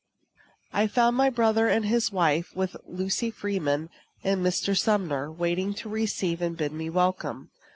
I found my brother and his wife, with Lucy Freeman and Mr. Sumner, waiting to receive and bid me welcome.